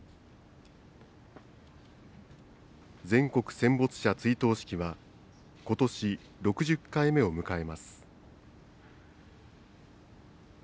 全国戦没者追悼式は今年６０回目を迎えます。